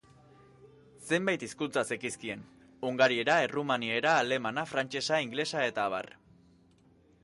Zenbait hizkuntza zekizkien: hungariera, errumaniera, alemana, frantsesa, ingelesa eta abar.